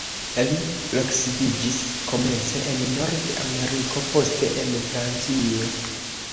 Li loksidiĝis komence en Nord-Ameriko, poste en Francio.